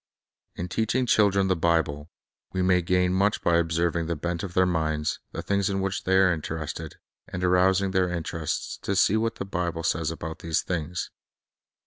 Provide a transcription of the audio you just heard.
In teaching children the Bible, we may gain much by observing the bent of their minds, the things in which they are interested, and arousing their interest to see what the Bible says about these things.